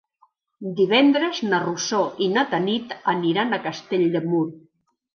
Divendres na Rosó i na Tanit aniran a Castell de Mur.